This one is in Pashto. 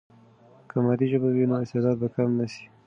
که مادي ژبه وي، نو استعداد به کم نه سي.